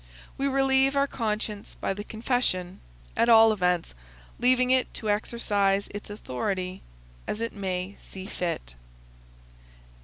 We relieve our conscience by the confession, at all events leaving it to exercise its authority as it may see fit.